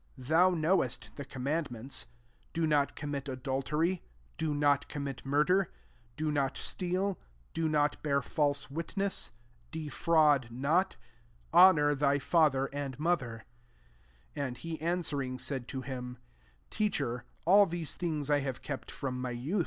19 Thou kaowest the comraaiidnienfts, <Do not com mit tdttltery ; [Do not commit mardcr;} Do not steal; Do not bear bXs^ iritness ; Defraud not ; Honour thy father and mother*' fiO And he answering, said to hhn, «* Teacher, all these thingB I have kept from my youA."